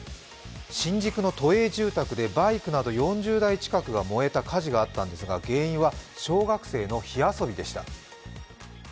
新宿の都営住宅でバイクなど４０台近くが燃えた火事があったんですが原因は小学生の火遊びでした。